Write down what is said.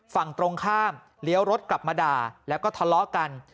ฝั่งตรงข้ามเลี้ยวรถกลับมาด่าแล้วก็ทะเลาะกัน